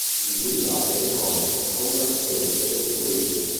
Il Giullare è un comico combattente del crimine.